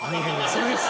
それです！